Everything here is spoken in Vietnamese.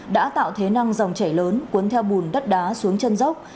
đã tạo thế năng dòng chảy lớn cuốn theo bùn đất đá xuống chân dốc